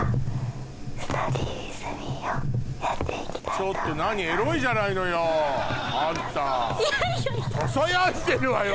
ちょっと何エロいじゃないのよあんた。